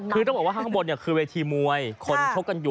คือต้องบอกว่าข้างบนเนี่ยคือเวทีมวย